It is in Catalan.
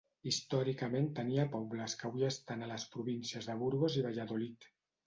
Històricament tenia pobles que avui estan a les províncies de Burgos i Valladolid.